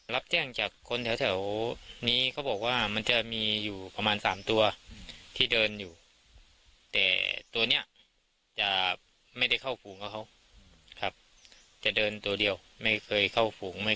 ลักษณะของมันคือค่อนข้างนิสัยเป็นไง